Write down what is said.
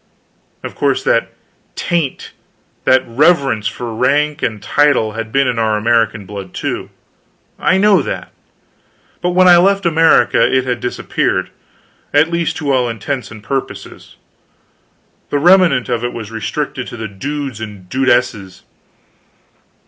Of course that taint, that reverence for rank and title, had been in our American blood, too I know that; but when I left America it had disappeared at least to all intents and purposes. The remnant of it was restricted to the dudes and dudesses.